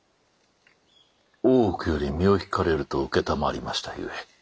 大奥より身を引かれると承りましたゆえ。